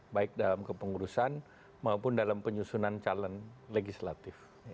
baik dalam kepengurusan maupun dalam penyusunan calon legislatif